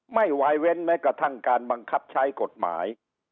วายเว้นแม้กระทั่งการบังคับใช้กฎหมาย